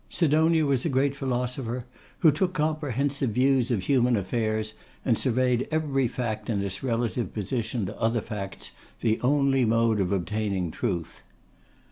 Sidonia was a great philosopher, who took comprehensive views of human affairs, and surveyed every fact in its relative position to other facts, the only mode of obtaining truth.